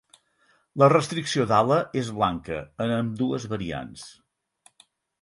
La restricció d'ala és blanca en ambdues variants.